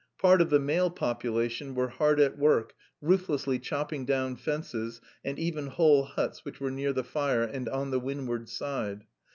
Part of the male population were hard at work ruthlessly chopping down fences and even whole huts which were near the fire and on the windward side.